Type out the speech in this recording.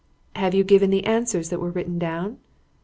"Have you given the answers that were written down?"